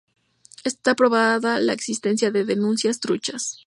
Está probada la existencia de denuncias "truchas".